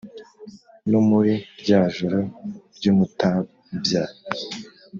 No muri rya joro ry'umutambya